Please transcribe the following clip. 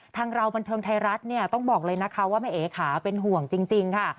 ทางเราบันเทิงไทยรัฐเนี่ยต้องบอกเลยนะคะว่าแม่เอ๋ค่ะเป็นห่วงจริงค่ะ